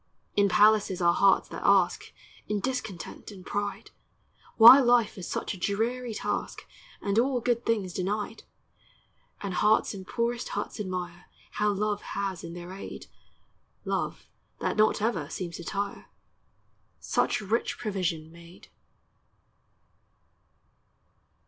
In palaces are hearts that ask, In discontent and pride, Why life is such a dreary task, And all good things denied; And hearts in poorest huts admire How Love has in their aid (Love that not ever seems to tire) Such rich provision made.